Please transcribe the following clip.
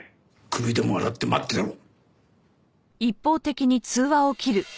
首でも洗って待ってろ！